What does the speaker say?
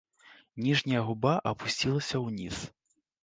Ніжняя губа апусцілася ўніз.